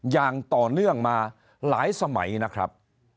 อย่างต่อเนื่องมาหลายสมัยนะครับ